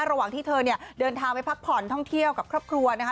ระหว่างที่เธอเนี่ยเดินทางไปพักผ่อนท่องเที่ยวกับครอบครัวนะคะ